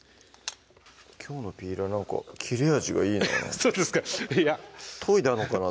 きょうのピーラーなんか切れ味がいいなぁそうですか研いだのかな